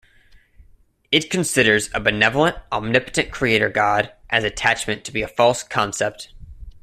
It considers a benevolent, omnipotent creator god as attachment to be a false concept.